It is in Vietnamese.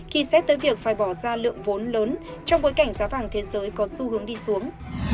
khi xét tới việc phải bỏ ra lượng vốn lớn trong bối cảnh giá vàng thế giới có xu hướng đi xuống